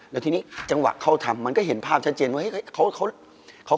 แล้วทีนี้จังหวะเข้าทำมันก็เห็นภาพชัดเจนว่าเฮ้ย